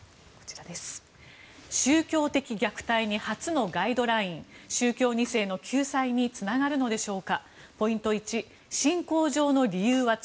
宗教的虐待に初のガイドライン宗教２世の救済につながるのでしょうか。